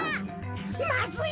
まずい！